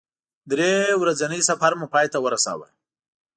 درې ورځنی سفر مو پای ته ورساوه.